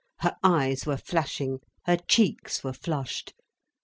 Her eyes were flashing, her cheeks were flushed.